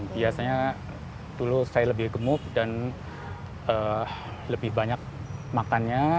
biasanya dulu saya lebih gemuk dan lebih banyak makannya